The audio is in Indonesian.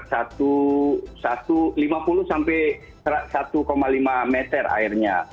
satu lima puluh sampai satu lima meter airnya